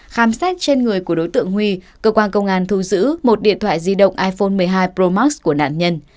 khám xét trên người của đối tượng huy cơ quan công an thu giữ một điện thoại di động iphone một mươi hai pro max của nạn nhân